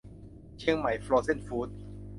เชียงใหม่โฟรเซ่นฟู้ดส์